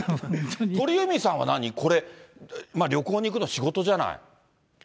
鳥海さんはなに、これ、旅行に行くの仕事じゃない。